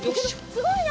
すごいね！